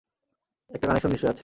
একটা কানেকশন নিশ্চয় আছে।